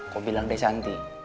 kau bilang deh shanti